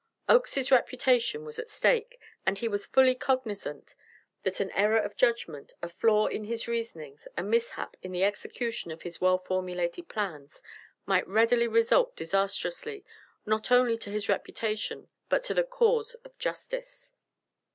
Oakes's reputation was at stake, and he was fully cognizant that an error of judgment, a flaw in his reasonings, a mishap in the execution of his well formulated plans, might readily result disastrously, not only to his reputation but to the cause of justice.